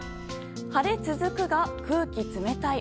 晴れ続くが空気冷たい。